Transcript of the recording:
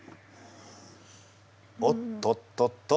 おっとっとっと。